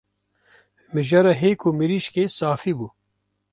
Mijara hêk û mirîşkê safî bû